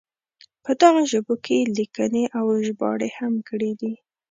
په دغو ژبو کې یې لیکنې او ژباړې هم کړې دي.